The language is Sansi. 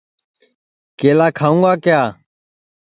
کیلا کھاؤں گا کِیا